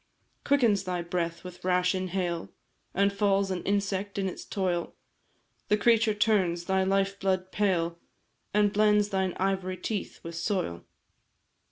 "Quickens thy breath with rash inhale, And falls an insect in its toil? The creature turns thy life blood pale, And blends thine ivory teeth with soil.